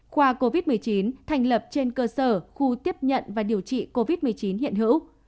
khoa covid một mươi chín thành lập trên cơ sở khu tiếp nhận và điều trị covid một mươi chín hiện hữu